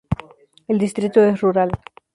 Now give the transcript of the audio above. El distrito es rural.